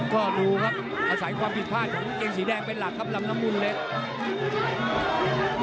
ก็ดูครับอาศัยความผิดพลาดของกางเกงสีแดงเป็นหลักครับลำน้ำมุนเล็ก